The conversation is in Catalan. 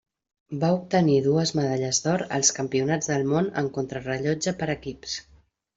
Va obtenir dues medalles d'or als Campionats del Món en contrarellotge per equips.